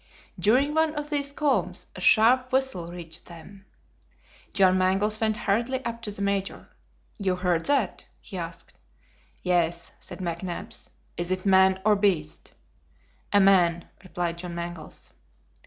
During one of these calms a sharp whistle reached them. John Mangles went hurriedly up to the Major. "You heard that?" he asked. "Yes," said McNabbs. "Is it man or beast?" "A man," replied John Mangles.